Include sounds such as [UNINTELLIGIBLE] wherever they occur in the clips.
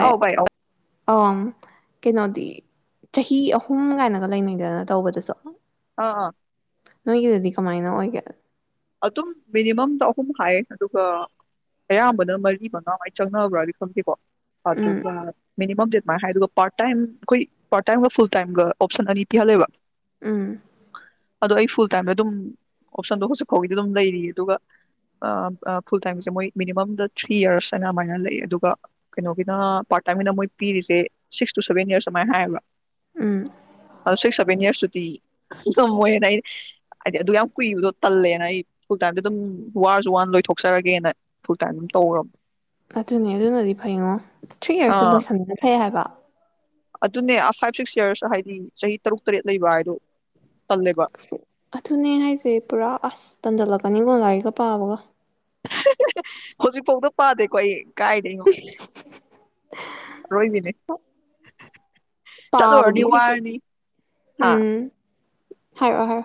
ꯑꯦ ꯑꯧ ꯚꯥꯏ ꯑꯧ ꯑꯥꯎꯝ ꯀꯩꯅꯣꯗꯤ ꯆꯍꯤ ꯑꯍꯨꯝ ꯀꯥꯏꯅꯒ ꯂꯩꯅꯩꯗꯅ ꯇꯧꯕꯗꯁꯨ ꯑꯥ ꯑꯥ ꯅꯣꯏꯒꯤꯗꯗꯤ ꯈꯪ ꯀꯃꯥꯏꯅ ꯑꯣꯏꯒꯦ ꯑꯗꯨꯝ ꯃꯤꯅꯤꯃꯝꯗ ꯑꯍꯨꯝ ꯍꯥꯏꯌꯦ ꯑꯗꯨꯒ ꯑꯌꯥꯝꯕꯅ ꯃꯔꯤ ꯃꯉꯥꯃ ꯆꯪꯅꯕ꯭ꯔꯥꯗꯤ ꯈꯪꯗꯦꯀꯣ ꯍꯀ ꯎꯝ [UNINTELLIGIBLE] ꯃꯤꯅꯤꯃꯝ ꯗꯦꯠꯃꯥꯏꯅ ꯍꯥꯏ ꯑꯗꯨꯒ ꯄꯥꯔꯠ ꯇꯥꯏꯝ ꯑꯩꯈꯣꯏ ꯄꯥꯔꯠ ꯇꯥꯏꯝꯒ ꯐꯨꯜ ꯇꯥꯏꯝꯒ ꯑꯣꯞꯁꯟ ꯑꯅꯤ ꯄꯤꯍꯜꯂꯦꯕ ꯎꯝ ꯑꯗꯣ ꯑꯩ ꯐꯨꯜ ꯇꯥꯏꯝꯗ ꯑꯗꯨꯝ ꯑꯣꯞꯁꯟꯗꯣ ꯍꯧꯖꯤꯛ ꯐꯧꯒꯤꯗꯤ ꯑꯗꯨꯝ ꯂꯩꯔꯤꯌꯦ ꯑꯗꯨꯒ ꯐꯨꯜ ꯇꯥꯏꯝꯁꯦ ꯃꯣꯏ ꯃꯤꯅꯤꯃꯝꯗ ꯊ꯭ꯔꯤ ꯌꯔꯁ ꯍꯥꯏꯅ ꯑꯗꯨꯃꯥꯏꯅ ꯂꯩ ꯑꯗꯨꯒ ꯀꯩꯅꯣꯒꯤꯅ ꯄꯥꯔꯠ ꯇꯥꯏꯝꯒꯤꯅ ꯃꯣꯏ ꯄꯤꯔꯤꯁꯦ ꯁꯤꯛꯁ ꯇꯨ ꯁꯚꯦꯟ ꯌꯔꯁ ꯑꯗꯨꯃꯥꯏꯅ ꯍꯥꯏꯌꯦꯕ ꯎꯝ ꯑꯗꯨꯣ ꯁꯤꯛꯁ ꯁꯚꯦꯟ ꯌꯔꯁꯇꯨꯗꯤ ꯑꯗꯨꯝ ꯃꯣꯏꯅ ꯍꯥꯏꯗꯤ ꯑꯗꯨ ꯌꯥꯝ ꯀꯨꯏꯕꯗꯣ ꯇꯜꯂꯦꯅ ꯑꯩ ꯐꯨꯜ ꯇꯥꯏꯝꯗ ꯑꯗꯨꯝ ꯋꯥꯔꯁꯨ ꯋꯥꯔ ꯂꯣꯏꯊꯣꯛꯆꯔꯒꯦꯅ ꯐꯨꯜ ꯇꯥꯏꯝ ꯑꯗꯨꯝ ꯇꯧꯔꯕ ꯑꯗꯨꯅꯦ ꯑꯗꯨꯅꯗꯤ ꯐꯩꯉꯣ ꯊ꯭ꯔꯤ ꯏꯔꯁꯇ ꯑꯥ ꯂꯣꯏꯁꯟꯅ ꯐꯩ ꯍꯥꯏꯕ [INAUDIBLE] ꯑꯗꯨꯅꯦ ꯐꯥꯏꯚ ꯁꯤꯛꯁ ꯌꯔꯁ ꯍꯥꯏꯗꯤ ꯆꯍꯤ ꯇꯔꯨꯛ ꯇꯔꯦꯠ ꯂꯩꯕ ꯍꯥꯏꯗꯣ ꯇꯜꯂꯦꯕ ꯑꯗꯨꯅꯦ ꯍꯥꯏꯁꯦ ꯄꯨꯔꯥ ꯑꯁ ꯇꯟꯗꯜꯂꯛꯀꯅꯤꯉꯣ ꯂꯥꯏꯔꯤꯛ ꯄꯥꯕꯒ ꯍꯧꯖꯤꯛ ꯐꯥꯎꯗ ꯄꯥꯗꯦꯀꯣ ꯑꯩ ꯀꯥꯏꯗꯩꯅꯣ ꯑꯔꯣꯏꯕꯤꯅꯦ ꯆꯠꯂꯨꯔꯅꯤ ꯄꯥꯕꯗꯤ ꯀꯩꯀꯩ ꯋꯥꯔꯅꯤ ꯍꯥ ꯍꯥꯏꯣ ꯍꯥꯏꯣ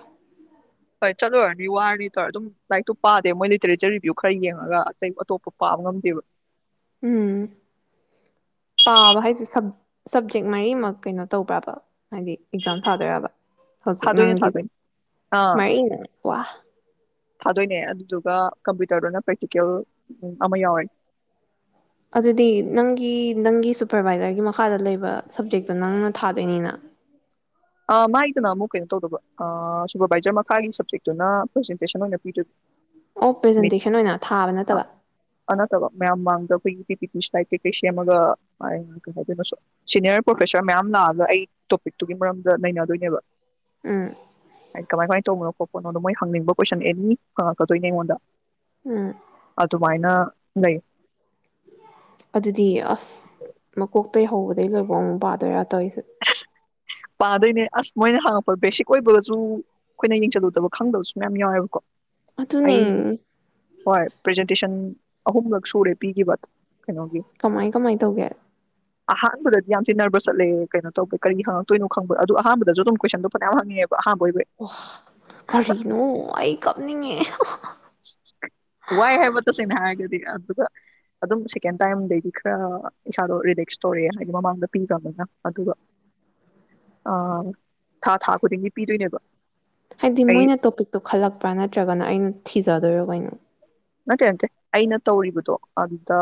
ꯍꯣꯏ ꯆꯠꯂꯨꯔꯨꯔꯅꯤ ꯋꯥꯔꯅꯤ ꯇꯧꯔ ꯑꯗꯨꯝ ꯂꯥꯏꯔꯤꯛꯇꯣ ꯄꯥꯗꯦ ꯃꯣꯏ ꯂꯤꯇꯔꯦꯆꯔ ꯔꯤꯕꯚꯤꯌꯨ ꯈꯔ ꯌꯦꯡꯉꯒ ꯑꯇꯩ ꯑꯇꯣꯞꯄ ꯄꯥꯕ ꯉꯝꯗꯦꯕ ꯎꯝ ꯄꯥꯕ ꯍꯥꯏꯁꯦ ꯁꯞꯖꯦꯛ ꯃꯔꯤꯃꯛ ꯀꯩꯅꯣ ꯇꯧꯕ꯭ꯔꯥꯕ ꯍꯥꯏꯗꯤ ꯑꯦꯛꯖꯥꯝ ꯊꯥꯗꯣꯏꯔꯕ ꯍꯧꯖꯤꯛ ꯊꯥꯗꯣꯏꯅꯦ ꯅꯪꯒꯤꯗ ꯊꯥꯗꯣꯏꯅꯦ ꯑꯥ ꯃꯔꯤꯅ ꯋꯥ ꯊꯥꯗꯣꯏꯅꯦ ꯑꯗꯨꯗꯨꯒ ꯀꯝꯄ꯭ꯌꯨꯇꯔꯗꯨꯅ ꯄ꯭ꯔꯦꯛꯇꯤꯀꯦꯜ ꯑꯃ ꯌꯥꯎꯔꯦ ꯑꯗꯨꯗꯤ ꯅꯪꯒꯤ ꯅꯪꯒꯤ ꯁꯨꯄꯔꯚꯥꯏꯖꯔꯒꯤ ꯃꯈꯥꯗ ꯂꯩꯕ ꯁꯕꯖꯦꯛꯇꯣ ꯅꯪꯅ ꯊꯥꯗꯣꯏꯅꯤꯅ ꯃꯥꯏꯗꯅ ꯑꯃꯨꯛ ꯀꯩꯅꯣ ꯇꯧꯗꯕ ꯁꯨꯄꯔꯕꯥꯏꯖꯔ ꯃꯈꯥꯒꯤ ꯁꯞꯖꯦꯛꯇꯨꯅ ꯄ꯭ꯔꯖꯦꯟꯇꯦꯁꯟ ꯑꯣꯏꯅ ꯄꯤꯗꯣꯏ ꯑꯣ ꯃꯤꯠ ꯄ꯭ꯔꯖꯦꯟꯇꯦꯁꯟ ꯑꯣꯏꯅ ꯊꯥꯕ ꯅꯠꯇꯕ ꯑꯅꯠꯇꯕ ꯃꯌꯥꯝ ꯃꯥꯡꯗ ꯑꯩꯈꯣꯏꯒꯤ ꯄꯤ ꯇꯤ ꯁꯥꯏꯠ ꯀꯩꯀꯩ ꯁꯦꯝꯃꯒꯩꯅ ꯀꯩ ꯍꯥꯏꯗꯣ ꯁꯤꯅꯤꯌꯔ ꯄ꯭ꯔꯣꯐꯦꯁꯔ ꯃꯌꯥꯝ ꯂꯥꯛꯑꯒ ꯑꯩ ꯇꯣꯄꯤꯛꯇꯨꯒꯤ ꯃꯔꯝ ꯅꯩꯅꯗꯣꯏꯅꯦꯕ ꯎꯝ ꯀꯃꯥꯏ ꯀꯥꯃꯥꯏ ꯇꯧꯕꯅꯣ ꯀꯣꯄ ꯅꯣꯗꯣ ꯃꯣꯏ ꯍꯪꯅꯤꯡꯕ ꯀꯣꯏꯁꯟ ꯑꯦꯅꯤ ꯍꯪꯉꯛꯀꯗꯣꯏꯅꯦ ꯑꯩꯉꯣꯟꯗ ꯎꯝ ꯑꯗꯨꯨꯃꯥꯏꯅ ꯣ [UNINTELLIGIBLE] ꯑꯗꯨꯗꯤ ꯑꯁ ꯃꯀꯣꯛꯇꯩꯍꯧꯕꯗ ꯑꯗꯩ ꯂꯣꯏꯕꯣꯡ ꯑꯃꯨꯛ ꯄꯥꯗꯣꯏꯔꯥ ꯇꯧꯔꯤꯁꯦ ꯄꯥꯗꯣꯏꯅꯦ ꯑꯁ ꯃꯣꯏꯅ ꯍꯥꯡꯉꯛꯄ ꯕꯦꯁꯤꯛ ꯑꯣꯏꯕꯒꯁꯨ ꯑꯩꯈꯣꯏꯅ ꯌꯦꯡꯁꯜꯂꯨꯗꯕ ꯈꯪꯗꯕꯁꯨ ꯃꯌꯥꯝ ꯌꯥꯎꯋꯦꯕꯀꯣ ꯑꯩ ꯑꯗꯨꯅꯦ ꯍꯣꯏ ꯄ꯭ꯔꯦꯖꯦꯟꯇꯦꯁꯟ ꯑꯍꯨꯝꯂꯛ ꯁꯨꯔꯦ ꯄꯤꯈꯤꯕ ꯀꯩꯅꯣꯒꯤ ꯀꯃꯥꯏ ꯀꯃꯥꯏ ꯇꯧꯒꯦ ꯑꯍꯥꯟꯕꯗꯗꯤ ꯌꯥꯝ ꯊꯤ ꯅꯔꯕꯁ ꯆꯠꯂꯦ ꯀꯩꯅꯣ ꯇꯧꯒꯦ ꯀꯔꯤꯒꯤ ꯍꯪꯉꯛꯇ ꯅꯣ ꯈꯪꯕ꯭ꯔꯥ ꯑꯗꯨ ꯑꯍꯥꯟꯕꯗꯁꯨ ꯑꯗꯨꯝ ꯀꯣꯏꯁꯟꯗꯣ ꯐꯥꯅꯥꯌꯥꯝ ꯍꯪꯉꯦꯕ ꯋꯥ ꯀꯔꯤꯅꯨ ꯑꯩ ꯀꯞ ꯅꯤꯡꯉꯦ ꯏꯍꯥ-ꯍꯥ ꯋꯥꯏ ꯍꯥꯏꯕ ꯇꯥꯁꯦꯡꯅ ꯍꯥꯏꯔꯒꯗꯤ ꯑꯗꯨꯒ-ꯑꯗꯨꯝ ꯁꯦꯀꯦꯟ ꯇꯥꯏꯝꯗꯩꯗꯤ ꯈꯔ ꯏꯁꯥꯗꯣ ꯔꯤꯂꯦꯛꯁ ꯇꯧꯔꯛꯑꯦ ꯍꯥꯏꯗꯤ ꯃꯃꯥꯡꯗ ꯄꯤꯗ꯭ꯔꯝꯅꯤꯅ ꯑꯗꯨꯒ ꯊꯥ- ꯊꯥ ꯈꯨꯗꯤꯡꯒꯤ ꯄꯤꯗꯣꯏꯅꯦꯕ ꯍꯥꯏꯗꯤ ꯑꯩ ꯃꯣꯏꯅ ꯇꯣꯄꯤꯛꯇꯣ ꯈꯜꯂꯛꯄ꯭ꯔꯥ ꯅꯠꯇ꯭ꯔꯒꯅ ꯑꯩꯅ ꯊꯤꯖꯗꯣꯏꯔꯣ ꯋꯩꯅꯣ ꯅꯠꯇꯦ-ꯅꯠꯇꯦ ꯑꯩꯅ ꯇꯧꯔꯤꯕꯗꯣ ꯑꯗꯨꯗ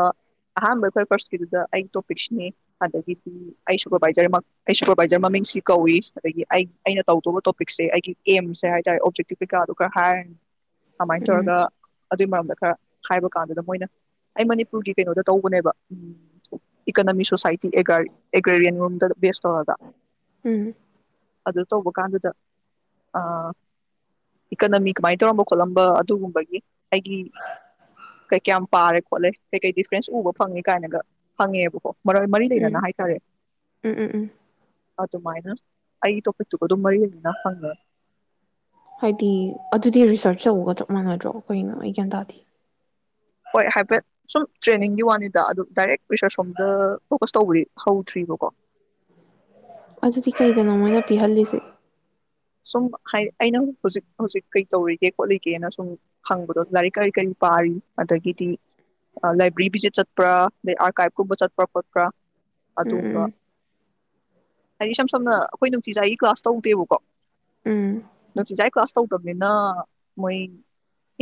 ꯑꯍꯥꯟꯕ ꯑꯩꯈꯣꯏ ꯐꯥꯔꯁꯀꯤꯗꯨꯗ ꯑꯩ ꯇꯣꯄꯤꯛꯁꯤꯅꯤ ꯑꯗꯤꯒꯤꯗꯤ ꯑꯩ ꯁꯨꯄꯔꯕꯥꯏꯖꯔ ꯃꯛ ꯑꯩ ꯁꯨꯄꯔꯕꯥꯏꯖꯔ ꯃꯃꯤꯡꯁꯤ ꯀꯧꯏ ꯑꯗꯒꯤ ꯑꯩ-ꯑꯩꯅ ꯇꯧꯗꯧꯕ ꯇꯣꯄꯤꯛꯁꯦ ꯑꯩꯒꯤ ꯑꯦꯝꯁꯦ ꯍꯥꯏ ꯇꯔꯦ ꯑꯣꯞꯖꯦꯛꯇꯤꯞ ꯀꯩꯀꯥꯗꯣ ꯈꯔ ꯍꯥꯏꯔꯅꯤ ꯀꯃꯥꯏꯅ ꯎꯝ ꯇꯧꯔꯒ ꯑꯠ ꯑꯗꯨꯏ ꯃꯔꯝꯗ ꯈꯔ ꯍꯥꯏꯕ ꯀꯥꯟꯗꯨꯗ ꯃꯣꯏꯅ ꯑꯩ ꯃꯅꯤꯄꯨꯔꯒꯤ ꯀꯩꯅꯣꯗ ꯇꯧꯕꯅꯦꯕ ꯏꯀꯥꯅꯃꯤ ꯁꯣꯁꯥꯏꯇꯤ ꯑꯦꯒꯥꯔ-ꯑꯦꯒꯔꯤꯌꯟꯔꯣꯝꯗ ꯕꯦꯁ ꯇꯧꯔꯒ ꯎꯝ ꯑꯗꯨ ꯇꯧꯕ ꯀꯥꯟꯗꯨꯗ ꯑꯥ ꯏꯀꯥꯅꯃꯤ ꯀꯃꯥꯏꯅ ꯇꯧꯔꯝꯕ ꯈꯣꯠꯂꯝꯕ ꯑꯗꯨꯒꯨꯝꯕꯒꯤ ꯒꯤ ꯀꯩ-ꯀꯌꯥꯝ ꯄꯥꯔꯦ ꯈꯣꯠꯂꯦ ꯀꯩ-ꯀꯩ ꯗꯤꯐ꯭ꯔꯦꯟꯁ ꯎꯕ ꯐꯪꯉꯦ ꯀꯥꯏꯅꯒ ꯐꯪꯉꯦꯕꯀꯣ ꯃꯔꯣꯏ ꯃꯔꯤ ꯎꯝ ꯂꯩꯅꯅ ꯍꯥꯏ ꯇꯥꯔꯦ ꯎꯝ ꯎꯝ ꯎꯝ ꯑꯗꯨꯃꯥꯏꯅ ꯑꯩꯒꯤ ꯇꯣꯄꯤꯠꯇꯨꯒ ꯑꯗꯨꯝ ꯃꯔꯤ ꯂꯩꯅꯅ ꯐꯪꯉꯦ ꯍꯥꯏꯗꯤ ꯑꯗꯨꯗꯤ ꯔꯤꯁ꯭ꯔꯆ ꯇꯧꯕꯒ ꯆꯞ ꯃꯥꯟꯅꯗ꯭ꯔꯣ ꯀꯩꯅꯣ ꯑꯩ ꯒ꯭ꯌꯥꯟ ꯇꯥꯗꯤ ꯍꯣꯏ ꯍꯥꯏꯐꯦꯠ ꯁꯨꯝ ꯇ꯭ꯔꯦꯅꯤꯡꯒꯤ ꯋꯥꯅꯤꯗ ꯑꯗꯨ ꯗꯥꯏꯔꯦꯛ ꯔꯤꯁ꯭ꯔꯁ ꯔꯣꯝꯗ ꯐꯣꯀꯁ ꯇꯧꯕꯔꯤ ꯍꯧꯗ꯭ꯔꯤꯕꯀꯣ ꯑꯗꯨꯗꯤ ꯀꯩꯗꯅꯣ ꯃꯣꯏꯅ ꯄꯤꯍꯜꯂꯤꯖꯦ ꯁꯨꯝ ꯍꯥꯏꯗꯤ ꯑꯩꯅ ꯍꯧꯖꯤꯛ-ꯍꯧꯖꯤꯛ ꯀꯩ ꯇꯧꯔꯤꯒꯦ ꯈꯣꯠꯂꯤꯒꯦꯅ ꯁꯨꯝ ꯍꯪꯕꯗꯣ ꯂꯥꯏꯔꯤꯛ ꯀꯔꯤ-ꯀꯔꯤ ꯄꯥꯔꯤ ꯑꯗꯒꯤꯗꯤ ꯂꯥꯏꯕ꯭ꯔꯦꯔꯤ ꯚꯤꯖꯤꯠ ꯆꯠꯄ꯭ꯔꯥ ꯑꯗꯩ ꯑꯥꯔꯀꯥꯏꯕꯀꯨꯝꯕ ꯆꯠꯄ꯭ꯔꯥ ꯈꯣꯠꯄ꯭ꯔꯥ ꯎꯝ ꯎꯝ ꯑꯗꯨꯒꯨꯝꯕ ꯎꯝ ꯍꯥꯏꯗꯤ ꯏꯁꯝ ꯁꯝꯅ ꯑꯩꯈꯣꯏ ꯅꯨꯡꯇꯤꯖꯥꯏꯒꯤ ꯀ꯭ꯂꯥꯁ ꯇꯧꯗꯦꯕꯀꯣ ꯎꯝ ꯅꯨꯡꯇꯤꯖꯥꯏ ꯀ꯭ꯂꯥꯁ ꯇꯧꯗꯝꯅꯤꯅ ꯃꯣꯏ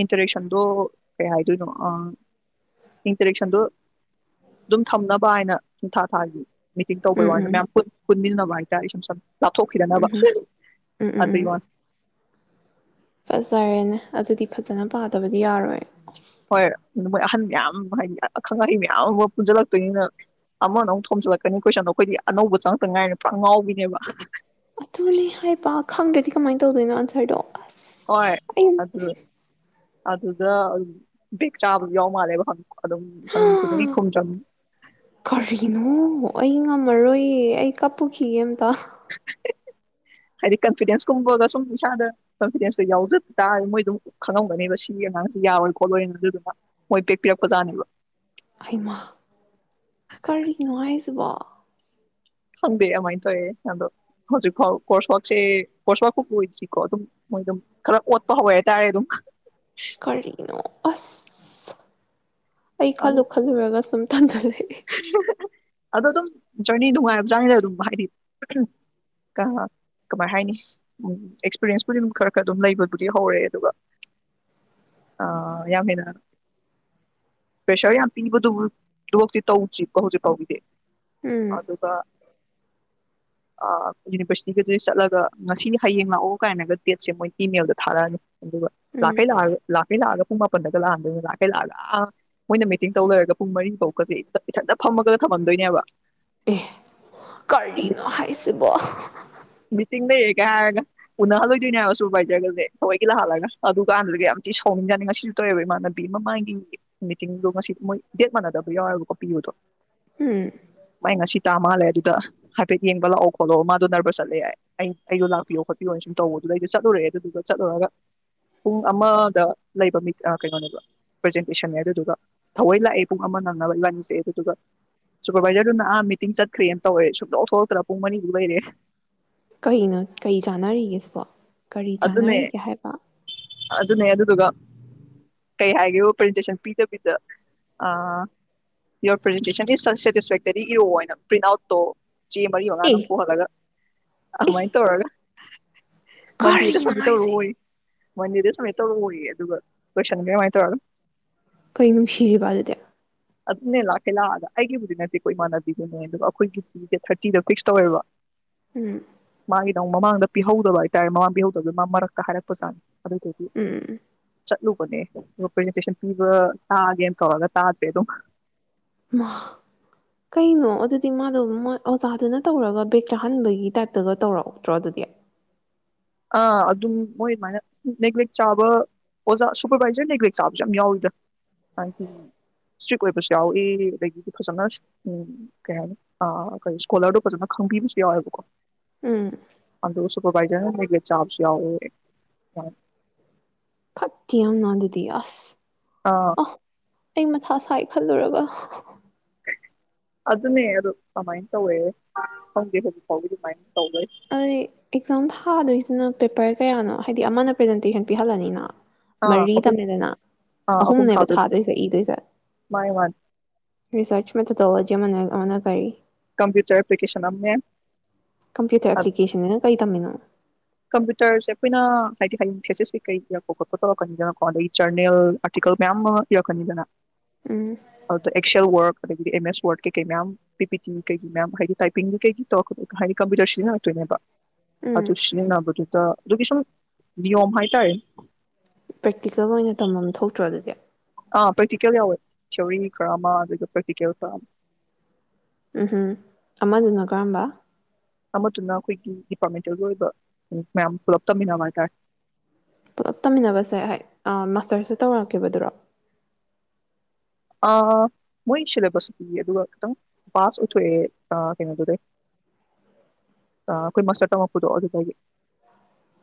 ꯏꯟꯇꯥꯔꯦꯛꯁꯟꯗꯣ ꯀꯩ ꯍꯥꯏꯗꯣꯏꯅꯣ ꯑꯥ ꯏꯟꯇꯥꯔꯦꯛꯁꯟꯗꯣ ꯑꯗꯨꯝ ꯊꯝꯅꯕ ꯍꯥꯏꯅ ꯁꯤꯡ ꯊꯥ- ꯊꯥꯒꯤ ꯃꯤꯇꯤꯡ ꯎꯝ ꯎꯝ ꯇꯧꯕꯩ ꯋꯥꯅꯤꯗꯥ ꯎꯝ ꯃꯌꯥꯝ ꯄꯨꯟ ꯄꯨꯟꯃꯤꯟꯅꯕ ꯍꯥꯏꯇꯥꯔꯦ ꯁꯨꯝ ꯏꯁꯝ-ꯁꯝ ꯂꯥꯞꯊꯣꯛꯈꯤꯗꯅꯕ ꯎꯝ ꯎꯝ ꯎꯝ ꯑꯗꯩ ꯋꯥ ꯐꯥꯖꯔꯦꯅꯦ ꯑꯗꯨꯗꯤ ꯐꯖꯅ ꯄꯥꯗꯕꯗꯤ ꯌꯥꯔꯣꯏ ꯑꯁ ꯍꯣꯏ ꯃꯣꯏ ꯑꯍꯟ ꯃꯌꯥꯝ ꯑꯃ ꯍꯥꯏꯗꯤ ꯑꯈꯪ ꯑꯍꯩ ꯃꯌꯥꯝ ꯑꯃ ꯄꯨꯟꯖꯤꯟꯂꯛꯇꯣꯏꯅꯤꯅ ꯑꯃꯅ ꯑꯃꯨꯛ ꯊꯣꯝꯖꯤꯜꯂꯛꯀꯅꯤ ꯀꯣꯏꯁꯟ ꯑꯗꯣ ꯑꯩꯈꯣꯏꯗꯤ ꯑꯅꯧꯕ ꯆꯪꯉꯛꯇ ꯉꯥꯏꯔꯤꯅꯤꯅ ꯄꯨꯔ ꯉꯥꯎꯕꯤꯅꯦꯕ ꯀꯥꯃꯥꯏ ꯇꯧꯗꯨꯏꯅꯣ ꯑꯟꯁ꯭ꯔꯗꯣ ꯑꯣꯏ ꯑꯗꯨ ꯑꯗꯨꯗ ꯕꯦꯛ ꯆꯥꯕꯖꯨ ꯌꯥꯎ ꯃꯥꯜꯂꯦꯕ ꯍꯡ ꯑꯗꯨꯝ ꯍꯪꯉꯤ ꯈꯨꯗꯤꯡꯒꯤ ꯈꯨꯝꯗ꯭ꯔꯝꯅꯦ ꯀꯔꯤꯅꯣ ꯑꯩ ꯉꯝꯃꯔꯣꯏꯌꯦ ꯑꯩ ꯀꯞꯄꯨꯈꯤꯒꯦ ꯑꯝꯇ ꯍꯥꯏꯗꯤ ꯀꯟꯐꯤꯗꯦꯟꯁ ꯀꯨꯝꯕꯒ ꯁꯨꯝ ꯏꯁꯥꯗ ꯀꯟꯐꯤꯗꯦꯟꯁꯇꯣ ꯌꯥꯎꯖꯕ ꯇꯥꯔꯗꯤ ꯃꯣꯏ ꯑꯗꯨꯝ ꯈꯪꯉꯝꯒꯅꯦꯕ ꯁꯤꯒꯤ ꯑꯉꯥꯡꯁꯤ ꯌꯥꯔꯣꯏ ꯈꯣꯠꯂꯣꯏꯅ ꯑꯗꯨꯗꯨꯅ ꯃꯣꯏ ꯕꯦꯛ ꯄꯤꯔꯛꯄꯖꯥꯠꯅꯦꯕ ꯍꯩꯃꯥ ꯀꯔꯤꯅꯣ ꯍꯥꯏꯁꯤꯕꯣ ꯈꯪꯗꯦ ꯑꯗꯨꯃꯥꯏꯅ ꯇꯧꯋꯦ ꯑꯗꯣ ꯍꯧꯖꯤꯛ ꯐꯥꯎ ꯀꯣꯔ꯭ꯁ ꯋꯥꯔꯛꯁꯦ ꯀꯣꯔ꯭ꯁ ꯋꯥꯛꯄꯥꯎ ꯑꯣꯏꯗ꯭ꯔꯤꯀꯣ ꯑꯗꯨꯝ ꯃꯣꯏ ꯑꯗꯨꯝ ꯈꯔ ꯑꯣꯠꯄ ꯍꯧꯋꯦ ꯍꯥꯏꯇꯥꯔꯦ ꯑꯗꯨꯝ ꯀꯔꯤꯅꯣ ꯑꯁ ꯑꯩ ꯑꯗꯨ ꯈꯜꯂꯨ-ꯈꯜꯂꯨꯔꯒ ꯁꯨꯝ ꯇꯟ ꯖꯜꯂꯦ [INAUDIBLE] ꯑꯗꯣ ꯑꯗꯨꯝ ꯖꯔꯅꯤ ꯅꯨꯡꯉꯥꯏꯕꯖꯥꯅꯤꯗ ꯑꯗꯨꯝ ꯍꯥꯏꯗꯤ ꯎꯝ ꯀꯃꯥꯏ ꯍꯥꯏꯅꯤ ꯎꯝ ꯑꯦꯛꯁꯄꯤꯔꯦꯟꯁꯄꯨꯗꯤ ꯑꯗꯨꯝ ꯈꯔ-ꯈꯔ ꯑꯗꯨꯝ ꯂꯩꯕꯗꯨꯗꯤ ꯍꯧꯔꯛꯑꯦ ꯑꯗꯨꯒ ꯑꯥ ꯌꯥꯝ ꯍꯦꯟꯅ ꯄ꯭ꯔꯦꯁꯔ ꯌꯥꯝ ꯄꯤꯕꯗꯨ-ꯄꯤꯕꯛꯇꯤ ꯇꯧꯗꯤꯕ ꯍꯧꯖꯤꯛ ꯐꯥꯎꯕꯤꯗꯤ ꯎꯝ ꯑꯗꯨꯒ ꯑꯥ ꯌꯨꯅꯤꯚꯔꯁꯤꯇꯤꯒꯗꯨ ꯆꯠꯂꯒ ꯉꯁꯤꯗꯤ ꯍꯌꯦꯡ ꯂꯥꯛꯑꯣ ꯀꯥꯏꯅꯒ ꯗꯦꯠꯁꯦ ꯃꯣꯏ ꯏꯃꯦꯜꯗ ꯊꯥꯔꯛꯑꯅꯤ꯫ ꯑꯗꯨꯒ ꯎꯝ ꯂꯥꯛꯀꯩ ꯂꯥꯛ ꯀꯩ ꯂꯥꯛꯑꯒ ꯄꯨꯡ ꯃꯥꯄꯟꯗꯒ ꯂꯥꯛꯑꯝꯗꯣꯏꯅ ꯂꯥꯛ ꯀꯩ ꯂꯥꯛꯑꯒ ꯑꯥ ꯃꯣꯏꯅ ꯃꯤꯇꯤꯡ ꯇꯧ ꯂꯩꯔꯒ ꯄꯨꯡ ꯃꯔꯤꯐꯧꯀꯁꯦ ꯏꯊꯟꯇ ꯐꯝꯑꯒꯗ ꯊꯝꯃꯝꯗꯣꯏꯅꯦꯕ꯫ ꯑꯦ ꯀꯔꯤꯅꯣ ꯍꯥꯏꯁꯤ ꯁꯤꯕꯣ ꯃꯤꯇꯤꯡ ꯂꯩꯔꯤꯒ ꯍꯥꯏꯔꯒ ꯎꯅꯍꯜꯂꯣꯏꯗꯣꯏꯅꯦ ꯁꯨ ꯚꯥꯏꯖꯔꯒꯁꯦ ꯊꯧꯑꯣꯏꯒꯤ ꯂꯥꯛꯍꯜꯂꯒ ꯑꯗꯨ ꯀꯥꯟꯗꯨꯗꯤ ꯌꯥꯝ ꯊꯤ ꯁꯥꯎꯅꯤꯡꯑꯖꯥꯠꯅꯤ ꯉꯁꯤꯁꯨ ꯇꯧꯋꯦꯕ ꯏꯃꯥꯟꯅꯕꯤ ꯃ ꯃꯥꯡꯒꯤ ꯃꯤꯇꯤꯡꯗꯣ ꯉꯁꯤ ꯃꯣꯏ ꯗꯦꯠ ꯃꯥꯟꯅꯗꯕ ꯌꯥꯎꯑꫭꯕꯀꫭ ꯄꯤꯌꯨꯗꯣ꯫ ꯎꯝ ꯃꯥꯏ ꯉꯁꯤ ꯇꯥ ꯃꯥꯜꯂꯦ ꯑꯗꯨꯗ ꯍꯥꯏꯐꯦꯠ ꯌꯦꯡꯕ ꯂꯥꯛꯑꯣ ꯈꯣꯠꯂꫭ ꯃꯥꯗꯨ ꯅꯔꯕꯁ ꯆꯠꯂꯦ ꯍꯥꯏ ꯑꯩꯁꯨ ꯂꯥꯛꯄꯤꯌꯣ ꯈꯣꯠꯄꯤꯌꯣꯅ ꯁꯨꯝ ꯇꯧꯕꯗꯨꯗ ꯑꯩꯁꯨ ꯆꯠꯂꯨꯔꯦ ꯑꯗꯨꯗꯨꯒ ꯆꯠꯂꯨꯔꯒ ꯄꯨꯡ ꯑꯃꯗ ꯂꯩꯕ ꯃꯤ ꯀꯩꯅꯣꯅꯦꯕ ꯄ꯭ꯔꯖꯦꯟꯇꯦꯁꯟꯅꯦ ꯑꯗꯨꯗꯨꯒ ꯊꯑꯣꯏ ꯂꯥꯛꯑꯦ ꯄꯨꯡ ꯑꯃ ꯅꯪꯅꯕ ꯂꯟꯁꯆꯛꯑꯦ ꯑꯗꯨꯗꯨꯒ ꯁꯨꯄꯔꯕꯥꯏꯖꯔꯗꯨꯅ ꯑꯥ ꯃꯤꯇꯤꯡ ꯆꯠꯈ꯭ꯔꯦ ꯇꯧꯋꯦ ꯁꯨꯡꯊꫭꯛ ꯊꯣꯛꯂꯛꯇ꯭ꯔꯥ ꯄꯨꯡ ꯃꯔꯤꯗꯨ ꯂꯩꯔꯦ꯫ ꯀꯩꯅꯣ ꯀꯩ ꯆꯥꯟꯅꯔꯤꯒꯦ ꯁꯤꯕꯣ꯫ ꯀꯔꯤ ꯑꯗꯨꯅꯦ ꯆꯥꯟꯅꯔꯤꯒꯦ ꯍꯥꯏꯕ꯫ ꯑꯗꯨꯅꯦ ꯑꯗꯨꯗꯨꯒ ꯀꯩ ꯍꯥꯏꯒꯦ ꯄ꯭ꯔꯖꯦꯟꯇꯦꯁꯟ ꯄꯤꯗꯕꯤꯗ ꯑꯥ ꯌꯣꯔ ꯄ꯭ꯔꯖꯦꯟꯇꯦꯁꯟ ꯁꯦꯇꯤꯁꯐꯦꯛꯇꯔꯤ ꯏꯔꯛꯑꯣꯅ ꯄ꯭ꯔꯤꯟ ꯑꯥꯎꯠꯇꯣ ꯆꯦ ꯃꯔꯤ ꯃꯉꯥ ꯑꯦ ꯅꯝꯊꯣꯛꯍꯜꯂꯒ ꯑꯦ ꯑꯗꯨꯃꯥꯏꯅ ꯇꯧꯔꯒ ꯃꯟꯗꯦꯗ ꯀꯔꯤꯅꯣ ꯁꯃꯤꯠ ꯍꯥꯏꯁꯦ ꯇꯧꯔꯛꯑꫭꯌꯦ꯫ ꯃꯟꯗꯦꯗ ꯁꯨꯃꯤꯠ ꯇꯧꯔꯛꯑꫭꯌꯦ ꯑꯗꯨꯒ ꯀꯣꯏꯁꯟꯒ ꯀꯃꯥꯏꯅ ꯇꯧꯔꯅꯤ ꯀꯩ ꯅꯨꯡꯁꯤꯔꯤꯕ ꯑꯗꯨꯗꯤ꯫ ꯑꯗꯨꯅꯦ ꯂꯥꯛꯀꯦ ꯂꯥꯛꯑꯒ ꯑꯩꯒꯤꯕꯨꯗꯤ ꯅꯠꯇꯦꯀꯣ ꯏꯃꯥꯟꯅꯕꯤꯗꯨꯅꯦ ꯑꯗꯨꯒ ꯑꯩꯈꯣꯏꯒꯤꯗꯤ ꯗꯦꯠ ꯊꯥꯔꯇꯤꯗ ꯐꯤꯛꯁ ꯇꯧꯋꯦꯕ ꯎꯝ ꯃꯥꯒꯤꯅ ꯑꯃꯨꯛ ꯃꯃꯥꯡꯗ ꯄꯤꯍꯧꯗꯕ ꯍꯥꯏꯇꯥꯔꯦ ꯃꯃꯥꯡ ꯄꯤꯍꯧꯗꯕꯗꯨꯗ ꯃꯥ ꯃꯔꯛꯇ ꯍꯥꯏꯔꯛꯖꯥꯠꯅꯤ꯫ ꯎꯝ ꯆꯠꯂꯨꯕꯅꯦ ꯔꯤꯄ꯭ꯔꯖꯦꯟꯇꯦꯁꯟ ꯄꯤꯕ ꯇꯥꯒꯦꯅ ꯇꯧꯔꯒ ꯇꯥꯗ꯭ꯔꯦ ꯑꯗꯨꯝ꯫ ꯏꯃꯥ ꯀꯩꯅꯣ ꯑꯗꯨꯗꯤ ꯃꯥꯗꯣꯃꫭꯏ ꯑꯣꯖꯥꯗꯨꯅ ꯇꯧꯔꯒ ꯕꯦꯛ ꯆꯥꯍꯟꯕꯒꯤ ꯇꯥꯏꯞꯇꯒ ꯇꯧꯔꯛꯇ꯭ꯔꯣ ꯑꯗꯨꯗꯤ꯫ ꯑ ꯑꯗꯨꯝ ꯃꯣꯏ ꯑꯗꯨꯃꯥꯏꯅ ꯅꯦꯒ꯭ꯂꯦꯛ ꯆꯥꯕ ꯑꯣꯖꯥ ꯁꯨꯄꯔꯕꯥꯏꯖꯔ ꯅꯦꯒ꯭ꯂꯦꯛ ꯆꯥꯕꯁꯨ ꯌꯥꯝ ꯌꯥꯎꯋꯤꯗ ꯑꯩꯈꯣꯏꯒꯤ ꯁꯇ꯭ꯔꯤꯛ ꯑꯣꯏꯕꯁꯨ ꯌꯥꯎꯏ ꯑꯗꯒꯤꯗꯤ ꯐꯖꯅ ꯀꯩ ꯍꯥꯏꯅꯤ ꯑꯥ ꯁ꯭ꯀꯣꯂꯔꯗꯣ ꯐꯖꯅ ꯈꯪꯕꯤꯕꯁꯨ ꯌꯥꯎꯋꯦꯕꯀꯣ꯫ ꯎꯝ ꯑꯗꯨꯒ ꯁꯨꯄꯔꯕꯥꯏꯖꯔꯅ ꯅꯦꯒꯜꯦꯛ ꯆꯥꯕꯁꯨ ꯌꯥꯎꯑꯦ [UNINTELLIGIBLE] ꯇꯤ ꯌꯥꯝꯅ ꯑꯥꯗꯨꯗꯤ ꯑꯁ ꯑꯥ ꯑ ꯑꯩꯃ ꯊ ꯁꯥꯏ ꯈꯜꯂꯨꯔꯒ ꯑꯗꯨꯅꯦ ꯑꯗꯨ ꯀꯃꯥꯏꯟ ꯇꯧꯋꯦ ꯈꯪꯗꯦ ꯍꯧꯖꯤꯛ ꯐꯥꯎꯒꯤ ꯑꯗꯨꯃꯥꯏꯅ ꯇꯧ ꯂꯩ ꯑꯩ ꯑꯦꯛꯖꯥꯝ ꯊꯥ ꯊꯥꯗꯨꯏꯁꯤꯅ ꯄꯦꯄꯔ ꯀꯌꯥꯅꯣ ꯍꯥꯏꯗꯤ ꯑꯃꯅ ꯄ꯭ꯔꯖꯦꯟꯇꯦꯁꯟ ꯄꯤꯍꯜꯂꯅꯤꯅ ꯑꯥ ꯃꯔꯤ ꯑꯍꯨꯝ ꯇꯝꯃꯦꯗꯅ ꯑꯥ ꯑꯍꯨꯝ ꯑꯍꯨꯝꯅꯦꯕ ꯊꯥꯗꯣꯏ ꯊꯥꯗꯣꯏꯁꯦ ꯏꯗꯣꯏꯁꯦ ꯃꯥꯅꯦ ꯃꯥꯅꯦ ꯔꯤꯁꯔꯆ ꯃꯦꯊꯣꯂꯣ [INAUDIBLE] ꯑꯃꯅꯥ ꯀꯔꯤ ꯀꯝꯄꯌꯨꯇꯔ ꯑꯦꯄ꯭ꯂꯤꯀꯦꯁꯟ ꯑꯝꯅꯦ ꯀꯝꯄ꯭ꯌꯨꯇꯔ ꯑꯦꯄ꯭ꯂꯤꯀꯦꯁꯟꯁꯤꯅ ꯀꯩ ꯇꯝꯃꯤꯅꯣ꯫ ꯀꯝꯄ꯭ꯌꯨꯇꯔꯁꯦ ꯑꯩꯈꯣꯏꯅ ꯍꯥꯏꯗꯤ ꯍꯥꯏꯗꯤꯡ ꯐꯦꯁꯦꯁꯦ ꯀꯩ ꯏꯔꯛꯄ ꯈꯣꯠꯄ ꯊꯣꯛꯧꯂꯛꯀꯅꯤꯗꯅꯀꯣ ꯑꯗꯩ ꯖꯔꯅꯦꯜ ꯑꯥꯔꯇꯤꯀꯜ ꯃꯌꯥꯝ ꯑꯃ ꯏꯔꯛꯀꯅꯤꯗꯅ꯫ ꯎꯝ ꯑ ꯑꯦꯛꯁꯦꯜ ꯋꯥꯔꯛ ꯑꯗꯒꯤꯗꯤ ꯑꯦꯝ ꯑꯦꯁ ꯋꯥꯔꯗ ꯀꯩꯀꯩ ꯃꯌꯥꯝ ꯄꯤ ꯄꯤ ꯇꯤ ꯀꯩꯒꯤ ꯃꯌꯥꯝ ꯍꯥꯏꯗꯤ ꯇꯥꯏꯄꯤꯡꯒꯤ ꯀꯩꯒꯤ ꯇꯧꯔꯛ ꯍꯥꯏꯗꯤ ꯀꯝꯄ꯭ꯌꯨꯇꯔ ꯁꯤꯖꯤꯟꯅꯂꯥꯛꯛꯇꯣꯏꯅꯦꯕ ꯎꯝ ꯅꯕꯗꯨꯗ ꯑꯗꯨꯒꯤ ꯁꯨꯝ ꯅꯤꯌꯣꯝ ꯍꯥꯏꯇꯥꯔꯦ ꯄ꯭ꯔꯦꯛꯇꯤꯀꯦꯜ ꯑꯣꯏꯅ ꯇꯝꯐꯝ ꯊꯣꯛꯇ꯭ꯔꯣ ꯑꯗꯨꯗꯤ ꯑꯥ ꯄ꯭ꯔꯦꯛꯇꯤꯀꯦꯜ ꯌꯥꯎꯋꯦ ꯁꯧꯔꯤ ꯈꯔ ꯑꯃ ꯑꯗꯨꯒ ꯄ꯭ꯔꯦꯛꯇꯤꯀꯦꯜ ꯈꯔ ꯑꯃ ꯎꯝ ꯎꯝ ꯑꯃꯗꯨꯅꯏ ꯀꯔꯝꯕ ꯑꯃꯗꯨꯅ ꯑꯩꯈꯣꯏꯒꯤ ꯗꯤꯄꯥꯔꯠꯃꯦꯟꯇꯦꯜꯒꯤ ꯑꯣꯏꯕ ꯃꯌꯥꯝ ꯄꯨꯂꯞ ꯇꯝꯃꯤꯟꯅꯕ ꯍꯥꯏꯇꯥꯔꯦ ꯄꯨꯂꯞ ꯇꯝꯃꯤꯟꯅꯕꯁꯦ ꯍꯥꯏ ꯃꯥꯁꯇꯔꯁꯦ ꯇꯧꯔꯛꯈꯤꯕꯗꯨꯔꯣ ꯃꯣꯏ ꯁꯤꯂꯦꯕꯁꯀꯤꯤ ꯑꯗꯨꯒ ꯈꯤꯇꯪ ꯄꯥꯁ ꯑꯣꯏꯊꯣꯛꯑꯦ ꯀꯩꯅꯣꯗꯨꯗꯩ ꯑꯩꯈꯣꯏ ꯃꯥꯁꯇꯔ ꯇꯝꯃꯛꯛꯄꯗꯣ ꯑꯗꯨꯗꯒꯤ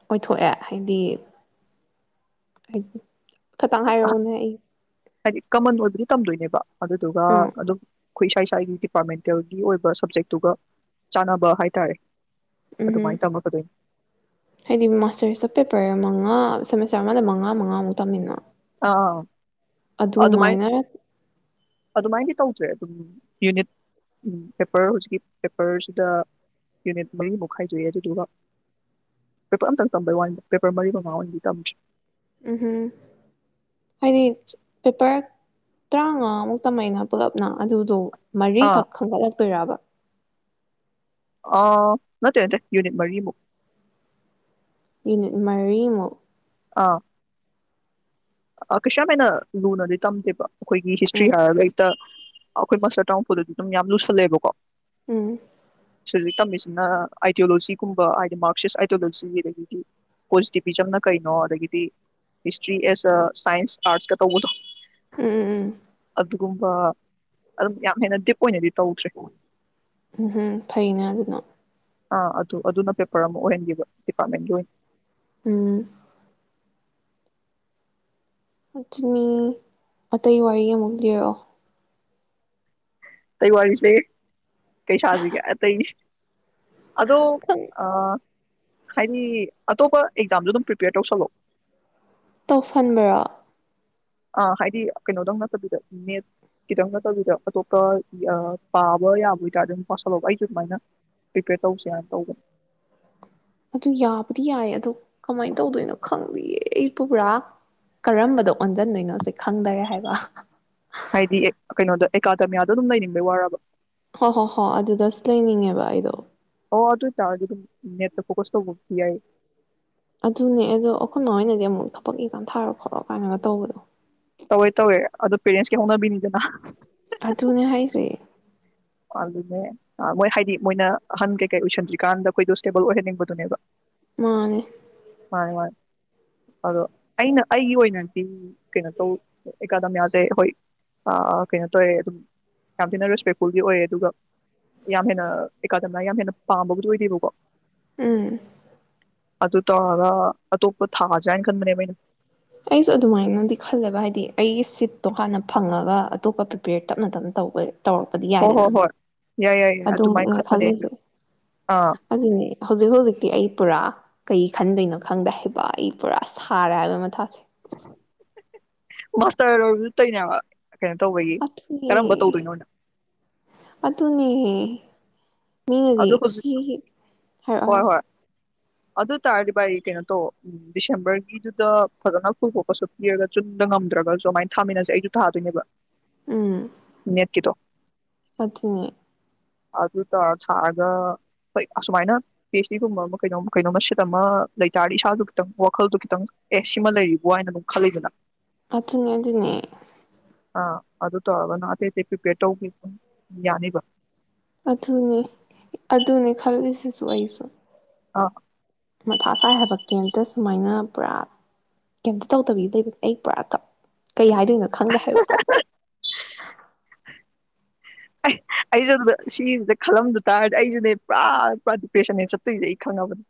ꯑꯣꯏꯊꯣꯛꯑꯦ ꯍꯥꯏꯗꯤ ꯍꯥꯏꯗꯤ ꯈꯈꯤꯇꯪ ꯍꯥꯏꯔꯛꯎꯅꯦ ꯑꯩ ꯍꯥꯏꯗꯤ ꯀꯃꯟ ꯑꯣꯏꯕꯗꯤ ꯇꯝꯗꯣꯏꯅꯦꯕ ꯑꯗꯨꯗꯨꯒ ꯑꯥ ꯑꯗꯨꯝ ꯑꯩꯈꯣꯏ ꯏꯁꯥ ꯏꯁꯥꯒꯤ ꯗꯤꯄꯥꯔꯠꯃꯦꯟꯇꯦꯜꯒꯤ ꯑꯣꯏꯕ ꯁꯕꯖꯦꯛꯇꯨꯒ ꯆꯥꯟꯅꯕ ꯍꯥꯏꯇꯥꯔꯦ ꯎꯝ ꯎꯝ ꯑꯗꯨꯃꯥꯏꯅ ꯇꯝꯃꯛꯀꯗꯣꯏꯅꯤ ꯍꯥꯏꯗꯤ ꯃꯥꯁꯇꯔ ꯁ ꯄꯦꯄꯔ ꯃꯉꯥ ꯁꯦꯃꯦꯁꯔ ꯑꯃꯗ ꯃꯉꯥ ꯑꯉꯨ ꯇꯃꯤꯟꯅ ꯑꯥ ꯑꯗꯨꯃꯥꯏ ꯑꯗꯨꯃꯥꯏꯅ ꯑꯗꯨꯃꯥꯏꯅꯗꯤ ꯇꯧꯗ꯭ꯔꯦ ꯑꯗꯨꯝ ꯌꯨꯅꯤꯠ ꯄꯦꯄꯔ ꯍꯧꯖꯤꯛꯀꯤ ꯄꯦꯄꯔꯁꯤꯗ ꯌꯨꯅꯤꯠ ꯃꯔꯤꯃꯨꯛ ꯈꯥꯏꯗꯣꯛꯑꯦ ꯑꯗꯨꯗꯨꯒ ꯄꯦꯄꯔ ꯑꯝꯇꯪ ꯇꯝꯕꯩ ꯋꯥꯟꯗ ꯄꯦꯄꯔ ꯃꯔꯤ ꯃꯉꯥ ꯑꯣꯏꯅꯗꯤ ꯇꯝꯗ꯭ꯔꯦ ꯎꯝꯍꯨꯝ ꯍꯥꯏꯗꯤ ꯄꯦꯄꯔ ꯇꯔꯥꯃꯉꯥꯃꯨꯛꯇꯃꯩꯅ ꯄꯨꯂꯞꯅ ꯑꯗꯨꯗꯣ ꯃꯔꯤ ꯑꯥ ꯀꯈ ꯇꯣꯏꯔꯥꯕ ꯑ ꯅꯠꯇꯦ ꯅꯠꯇꯦ ꯎꯅꯤꯠ ꯃꯔꯤꯃꯨꯛ ꯌꯅꯤꯠ ꯃꯔꯤꯃꯛ ꯑꯥ ꯀꯩꯁꯥꯝ ꯍꯥꯏꯅ ꯂꯨꯅꯗꯤ ꯇꯝꯗꯦꯕ ꯑꯩꯈꯣꯏꯒꯤ ꯍꯤꯁꯇ꯭ꯔꯤ ꯎꯝ ꯍꯥꯏꯔꯒ ꯍꯛꯇ ꯑꯩꯈꯣꯏ ꯃꯆꯥꯥ ꯇꯔꯥꯃꯨꯝꯐꯨꯗꯗꯤ ꯑꯗꯨꯝ ꯌꯥꯝ ꯂꯨꯁꯜꯂꯦꯕꯀꯣ ꯎꯝ ꯁꯤ ꯍꯧꯖꯤꯛ ꯇꯝꯃꯤꯁꯤꯅ ꯑꯥꯏꯗꯤꯌꯣꯂꯣꯖꯤꯒꯨꯝꯕ ꯍꯥꯏꯗꯤ ꯃꯥꯔꯁꯤꯁ ꯑꯥꯏꯗꯌꯣꯂꯣꯖꯤ ꯑꯗꯒꯤꯗꯤ ꯀꯣꯁꯇꯤꯕꯤꯖꯝꯅ ꯀꯩꯅꯣ ꯑꯗꯒꯤꯗꯤ ꯍꯤꯁꯇ꯭ꯔꯤ ꯑꯦꯁ ꯁꯥꯏꯟꯁ ꯑꯥꯔꯠꯁꯀ ꯇꯧꯕꯗꯣ ꯎꯝ ꯎꯝ ꯎꯝ ꯑꯗꯨ ꯒꯨꯝꯕ ꯑꯗꯨꯝ ꯌꯥꯝ ꯍꯦꯟꯅ ꯗꯤꯞ ꯑꯣꯏꯅꯗꯤ ꯇꯧꯗ꯭ꯔꯦ ꯎꯝ ꯍꯝ ꯐꯩꯅꯦ ꯑꯗꯨꯅ ꯑꯥ ꯑꯗꯨ ꯑꯗꯨꯅ ꯄꯦꯄꯔ ꯑꯃ ꯑꯣꯏꯍꯟꯈꯤꯕ ꯗꯤꯄꯥꯔꯠꯃꯦꯟꯒꯤ ꯑꯣꯏꯅ ꯎꯝ ꯑꯗꯨꯅꯤ ꯑꯇꯩ ꯋꯥꯔꯤ ꯑꯃꯨꯛ ꯂꯦꯔꯛ ꯑꯣ ꯇꯩꯋꯥꯔꯤꯁꯦ ꯀꯩꯁꯥꯖꯤ ꯑꯇꯩ ꯑꯗꯣ ꯈꯤꯇꯪ ꯑ ꯍꯥꯏꯗꯤ ꯑꯇꯣꯞꯄ ꯑꯦꯛꯖꯥꯝꯁꯨ ꯑꯗꯨꯝ ꯄ꯭ꯔꯤꯄꯦꯌꯔ ꯇꯧꯁꯜꯂꯣ ꯇꯧꯁꯟꯕꯔꯣ ꯑꯥ ꯍꯥꯏꯗꯤ ꯀꯩꯅꯣꯗꯪ ꯅꯠꯇꯕꯤꯗ ꯃꯦꯠ ꯈꯤꯇꯪ ꯅꯠꯇꯕꯤꯗ ꯑꯇꯣꯞꯄ ꯄꯥꯕ ꯌꯥꯕ ꯑꯣꯏꯇꯥꯔꯦ ꯑꯗꯨꯝ ꯄꯁꯜꯂꯣꯧꯕ ꯑꯩꯁꯨ ꯑꯗꯨꯃꯥꯏꯅ ꯄ꯭ꯔꯤꯄꯦꯌꯔ ꯇꯧꯁꯦꯅ ꯇꯧꯕꯅꯦ ꯑꯗꯨ ꯌꯥꯕꯨꯗꯤ ꯌꯥꯏ ꯑꯣ ꯀꯃꯥꯏꯅ ꯇꯧꯗꯣꯏꯅꯣ ꯈꯪꯗꯌꯦ ꯑꯩ ꯄꯨ ꯄꯨꯔꯥ ꯀꯔꯝꯕꯗ ꯑꯣꯟꯁꯤꯟꯗꯣꯏꯅꯣꯁꯦ ꯈꯪꯗꯔꯦ ꯍꯥꯏꯕ ꯍꯥꯏꯗꯤ ꯑꯦ ꯀꯩꯅꯣꯗ ꯑꯦꯀꯥꯗꯃꯤꯌꯥꯗꯣ ꯑꯗꯨꯝ ꯂꯩꯅꯤꯡꯕꯩ ꯋꯥꯔꯕ ꯍꯣ ꯍꯣ ꯍꯣ ꯑꯗꯨꯗ ꯂꯩꯅꯤꯡꯉꯦꯕ ꯑꯩꯗꯣ ꯑꯗꯨ ꯆꯥ ꯑꯗꯨ ꯅꯦꯠ ꯐꯣꯀꯁ ꯇ ꯌꯥ ꯑꯗꯨꯅꯦ ꯑꯗꯣ ꯑꯩꯈꯣꯏ ꯃꯣꯏꯅꯗꯤ ꯑꯃꯨꯛ ꯊꯕꯛ ꯑꯦꯛꯖꯥꯝ ꯊꯥꯔꯣ ꯈꯣꯠꯂꯣ ꯀꯥꯏꯅꯒ ꯇꯧꯕꯗꯣ ꯇꯧꯋꯦ ꯇꯧꯋꯦ ꯑꯗꯨꯣ ꯄꯦꯔꯦꯟꯁꯀꯤ ꯍꯥꯎꯠꯅꯕꯤꯅꯤꯗꯅ ꯑꯗꯨꯅꯦ ꯍꯥꯏꯁꯦ ꯑꯗꯨꯅꯦ ꯃꯣꯏ ꯍꯥꯏꯗꯤ ꯃꯣꯏꯅ ꯑꯍꯟ ꯀꯩꯀꯩ ꯑꯣꯏꯁꯟꯗ꯭ꯔꯤꯀꯥꯟꯗ ꯑꯩꯈꯣꯏꯗꯣ ꯁ꯭ꯇꯦꯕꯜ ꯑꯣꯏꯍꯟꯅꯤꯡꯕꯗꯨꯅꯦꯕ ꯃꯥꯅꯦ ꯃꯥꯅꯤ ꯃꯥꯅꯤ ꯑꯗꯣ ꯑꯩꯅ ꯑꯩꯒꯤ ꯑꯣꯏꯅꯗꯤ ꯀꯩꯅꯣ ꯇꯧ ꯑꯦꯀꯥꯗ ꯌꯥꯖꯩ ꯍꯣꯏ ꯀꯩꯅꯣ ꯇꯧꯋꯦ ꯑꯗꯨꯝ ꯌꯥꯝ ꯊꯤꯅ ꯔꯦꯁꯄꯦꯛ ꯁ꯭ꯀꯨꯜꯒꯤ ꯑꯣꯏꯔꯦ ꯑꯗꯨꯒ ꯌꯥꯝ ꯍꯦꯟꯅ ꯑꯦꯀꯥꯗꯃꯤꯅ ꯌꯥꯝ ꯍꯦꯟꯅ ꯄꯥꯝꯕꯕꯨꯗꯤ ꯑꯣꯏꯗꯦꯕꯀꯣ ꯑ ꯑꯗꯨ ꯇꯥꯔꯒꯥ ꯑꯇꯣꯞꯄ ꯊꯥꯖꯥꯅ ꯈꯟꯕꯅꯦꯕꯣꯏꯩꯅ ꯑꯩꯁꯨ ꯑꯗꯨꯃꯥꯏꯅꯗꯤ ꯈꯜꯂꯦꯕ ꯍꯥꯏꯗꯤ ꯑꯩꯒꯤ ꯁꯤꯠꯇꯣ ꯍꯥꯟꯅ ꯐꯪꯉꯒ ꯑꯇꯣꯞꯄ ꯄ꯭ꯔꯤꯄꯦꯌꯔ ꯇꯞꯅ ꯇꯞꯅ ꯇꯧꯕ ꯇꯧꯑꯛꯄꯗꯤꯥ ꯍꯣꯏ ꯌꯥꯏꯗꯅ ꯍꯣꯏ ꯍꯣꯏ ꯌꯥꯏ ꯌꯥꯏ ꯌꯥꯏ ꯑꯗꯨꯃꯥꯏꯅ ꯑꯗꯨꯃꯛꯅ ꯈꯟꯕꯅꯦ ꯑꯩꯁꯨ ꯈꯜꯂꯤꯁꯦ ꯑꯥ ꯑꯗꯨꯅꯦ ꯍꯧꯖꯤꯛ ꯍꯧꯖꯤꯛꯇꯤ ꯑꯩ ꯄꯨꯔꯥ ꯀꯩ ꯈꯟꯗꯣꯏꯩꯅꯣ ꯈꯪꯗꯦ ꯍꯕ ꯑꯩ ꯄꯨꯔꯥ ꯁꯥꯔꯦ ꯍꯥꯏꯕꯒꯤ ꯃꯊꯥꯁꯦ ꯃꯁꯇ꯭ꯔ ꯂꯣꯏꯕꯥꯖꯨ ꯇꯧꯔꯤꯅꯤ ꯍꯥꯌꯕꯥ ꯑꯗꯨꯅꯦ ꯑꯗꯨꯅꯦ ꯃꯤꯅꯗꯤ ꯑꯗꯣ ꯍꯧꯖꯤꯛ ꯁꯤꯁꯤ ꯍꯥꯏꯔꯛꯑꯣ ꯍꯣꯏ ꯍꯥꯏꯔ ꯍꯣꯏ ꯑꯗꯨ ꯇꯥꯔꯗꯤ ꯚꯥꯏ ꯀꯩꯅꯣ ꯇꯧ ꯗꯤꯁꯦꯝꯕꯔꯒꯤꯗꯨꯗ ꯐꯖꯅ ꯈꯨꯊꯣꯛꯄꯁꯨ ꯄꯤꯔꯒ ꯆꯨꯝꯅꯥ ꯉꯝꯗ꯭ꯔꯒꯁꯨ ꯑꯗꯨꯃꯥꯏꯅ ꯊꯥꯃꯤꯟꯅꯁꯦ ꯑꯩꯁꯨ ꯊꯥꯗꯣꯏꯅꯦꯕ ꯎꯝ ꯅꯦꯠ ꯀꯤ ꯗꯣ ꯑꯗꯨꯅꯦ ꯑ ꯑꯗꯨ ꯇꯧꯔꯥ ꯁꯥꯔꯒ ꯍꯣꯏ ꯑꯁꯨꯃꯥꯏꯅ ꯐꯤꯁ ꯁꯤꯒꯨꯝꯕ ꯑꯃ ꯀꯩꯅꯣꯝ ꯀꯩꯅꯣꯃ ꯁꯤꯠ ꯑꯃ ꯂꯩꯇꯥꯥꯔꯗꯤ ꯏꯁꯥꯗꯨ ꯈꯤꯇꯪ ꯋꯥꯈꯜꯗꯣ ꯈꯤꯇꯪ ꯑꯦꯁ ꯁꯤꯃ ꯂꯩꯔꯤꯕ ꯍꯥꯏꯅ ꯑꯗꯨꯝ ꯈꯜꯂꯤꯗꯅ ꯑꯗꯨꯅꯦ ꯑꯗꯨꯅꯦ ꯑꯥ ꯑꯗꯨ ꯇꯧꯔꯒꯅ ꯑꯇꯩ ꯑꯇꯩ ꯄ꯭ꯔꯤꯄꯦꯌꯔ ꯇꯧꯒꯦ ꯑꯗꯨꯝ ꯌꯥꯅꯤꯕ ꯑꯗꯨꯅꯦ ꯑꯗꯨꯅꯦ ꯈꯜꯂꯤꯁꯤꯁꯨ ꯑꯩꯁꯨ ꯑꯥ ꯃꯊꯥ ꯁꯥꯏ ꯍꯥꯏꯕ ꯀꯦꯝꯇ ꯁꯨꯃꯥꯏꯅ ꯄꯨꯔꯥ ꯀꯦꯝꯇ ꯇꯧꯗꯕꯤ ꯂꯩꯕ ꯑꯩ ꯄꯨꯔꯥ ꯀꯞ ꯀꯩ ꯍꯥꯏꯗꯣꯏꯅꯣ ꯈꯪꯗꯦ ꯍꯥꯏꯕ ꯑꯩꯁꯨ ꯑꯗꯨꯗ ꯁꯤꯁꯤꯗ ꯈꯜꯂꯝꯗ ꯇꯥꯔꯗꯤ ꯑꯩꯁꯨꯅꯦ ꯄꯨꯔꯥ ꯄꯨꯔꯥ ꯗꯤꯄ꯭ꯔꯦꯁꯟꯅꯦ ꯆꯠꯇꯣꯏꯁꯦ ꯑꯩ ꯈꯪꯉꯥꯕꯅꯦ